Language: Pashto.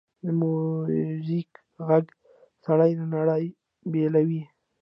د میوزیک ږغ سړی له نړۍ بېلوي.